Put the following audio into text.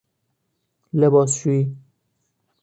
لباسشویی